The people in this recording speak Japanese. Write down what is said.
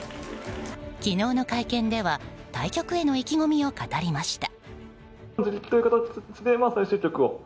昨日の会見では対局への意気込みを語りました。